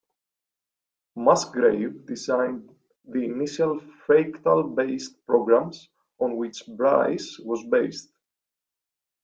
Musgrave designed the initial fractal-based programs on which Bryce was based.